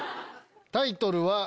タイトルは。